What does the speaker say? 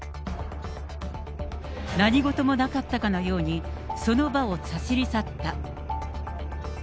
何事もなかったかのように、その場を走り去った。